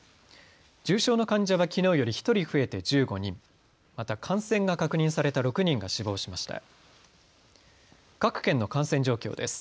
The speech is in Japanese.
重症の患者はきのうより１人増えて１５人、また感染が確認された６人が死亡しました。